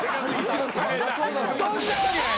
そんなわけない。